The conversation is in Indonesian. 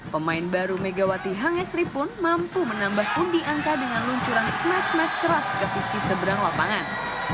pemain baru megawati hangesri pun mampu menambah pundi angka dengan luncuran smash smash keras ke sisi seberang lapangan